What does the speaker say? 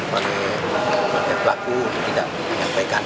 pihak pelaku tidak menyampaikan